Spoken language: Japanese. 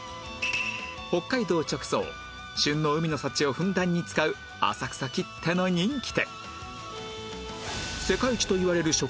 北海道直送旬の海の幸をふんだんに使う浅草きっての人気店